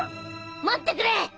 待ってくれ！